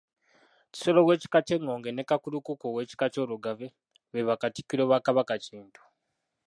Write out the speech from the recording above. Kisolo ow'Ekika ky'Engonge ne Kakulukuku ow'ekika ky'Olugave, be bakatikkiro ba Kabaka Kintu.